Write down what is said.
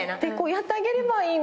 やってあげればいいのに。